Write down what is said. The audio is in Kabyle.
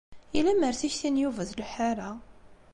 I lemmer tikti n Yuba ur tleḥḥu ara?